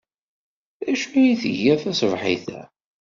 D acu ay tgiḍ taṣebḥit-a?